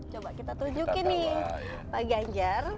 coba kita tunjukin nih pak ganjar